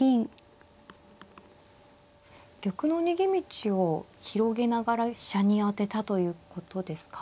玉の逃げ道を広げながら飛車に当てたということですか。